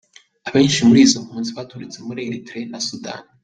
Abenshi muri izo mpunzi baturutse muri Érythrée na Sudani.